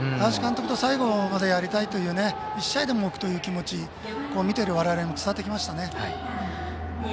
林監督と最後までやりたいという１試合でも多くという気持ち見ているわれわれにも伝わってきましたよね。